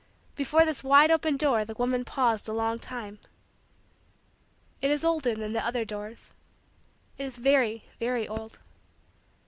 Before this wide open door the woman paused a long time. It is older than the other doors. It is very, very, old.